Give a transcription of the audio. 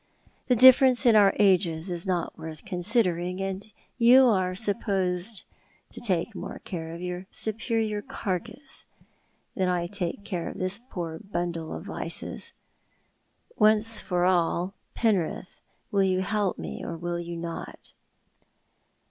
The difference in our ages is not worth considering, and you are supposed to take' more care of your su]ierior carcass than I take of this poor bundle of vices. Once for all, Penrith, will you help me or will you not?"